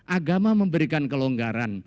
agama memberikan kelonggaran